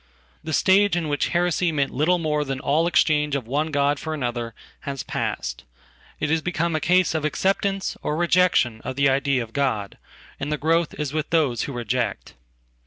The stage in which heresymeant little more than all exchange of one god for another haspassed. It has become a case of acceptance or rejection of the ideaof God, and the growth is with those who reject.